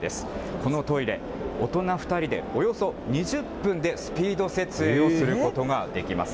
このトイレ、大人２人でおよそ２０分でスピード設営をすることができます。